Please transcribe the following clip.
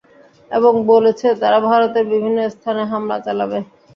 এবং বলেছে তারা ভারতের বিভিন্ন স্থানে হামলা চালাবে।